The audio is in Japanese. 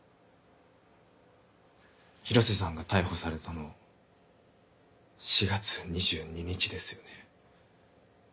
広瀬さんが逮捕されたの４月２２日ですよね。